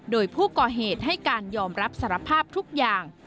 โดยผู้ก่อเหตุให้การยอมรับสารภาพทุกอย่าง